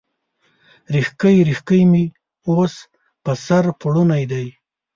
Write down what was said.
ریښکۍ، ریښکۍ مې اوس، په سر پوړني دی